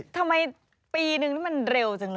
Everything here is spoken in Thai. ทำไมปีนึงนี่มันเร็วจังเลย